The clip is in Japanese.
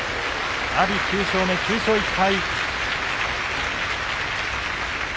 阿炎、９勝目、９勝１敗。